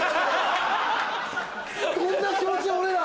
どんな気持ちで俺ら。